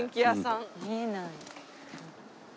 見えない。